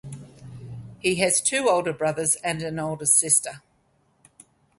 He has two older brothers and an older sister.